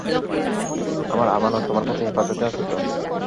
আমার আমানত তোমার কাছে হেফাজতে আছে তো?